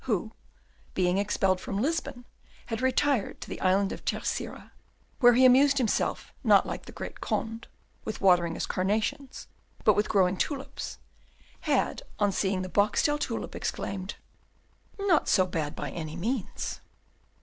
who, being expelled from Lisbon, had retired to the island of Terceira, where he amused himself, not, like the great Condé, with watering his carnations, but with growing tulips had, on seeing the Boxtel tulip, exclaimed, "Not so bad, by any means!"